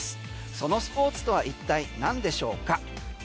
そのスポーツとは一体何でしょうか？